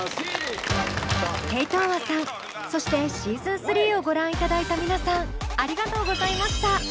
テイ・トウワさんそしてシーズン３をご覧いただいた皆さんありがとうございました。